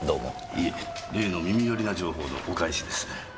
いえ例の耳寄りな情報のお返しです。